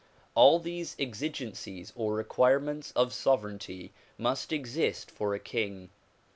All these exi gencies or requirements of sovereignty must exist for a king.